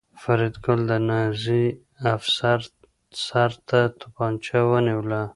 فریدګل د نازي افسر سر ته توپانچه ونیوله